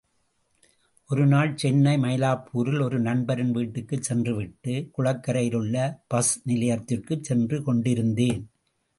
ஒரு நாள் சென்னை மயிலாப்பூரில் ஒரு நண்பரின் வீட்டுக்குச் சென்றுவிட்டு, குளக்கரையிலுள்ள பஸ் நிலையத்திற்குச் சென்று கொண்டிருந்தேன்.